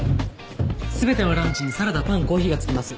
全てのランチにサラダパンコーヒーが付きます。